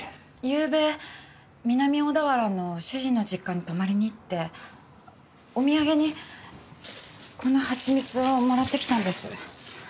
ゆうべ南小田原の主人の実家に泊まりに行ってお土産にこの蜂蜜をもらってきたんです。